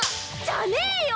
じゃねえよ！